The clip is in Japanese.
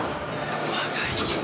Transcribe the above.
ドアがいい！